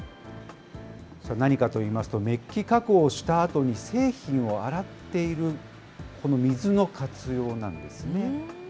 それは何かといいますと、めっき加工をしたあとに製品を洗っている、この水の活用なんですね。